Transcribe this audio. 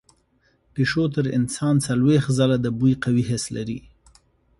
پیشو تر انسان څلوېښت ځله د بوی قوي حس لري.